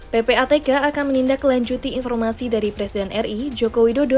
ppatk akan menindaklanjuti informasi dari presiden ri joko widodo